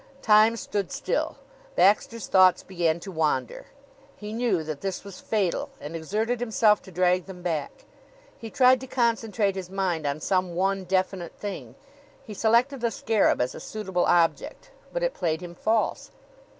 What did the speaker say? Time stood still. Baxter's thoughts began to wander. He knew that this was fatal and exerted himself to drag them back. He tried to concentrate his mind on some one definite thing. He selected the scarab as a suitable object, but it played him false.